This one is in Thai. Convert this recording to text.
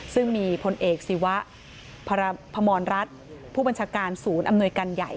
ซึ่งมีพลเอกศิวะพมรรัฐผู้บัญชาการศูนย์อำนวยการใหญ่